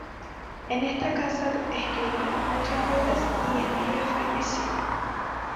En esta casa escribió muchas obras y en ella falleció.